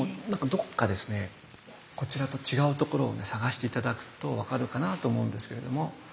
どこかですねこちらと違うところをね探して頂くと分かるかなと思うんですけれども。